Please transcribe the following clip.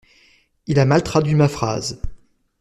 Il a mal traduit ma phrase.